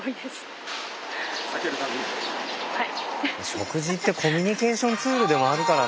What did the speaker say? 食事ってコミュニケーションツールでもあるからなあ。